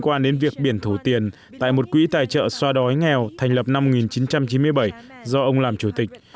quan đến việc biển thủ tiền tại một quỹ tài trợ xoa đói nghèo thành lập năm một nghìn chín trăm chín mươi bảy do ông làm chủ tịch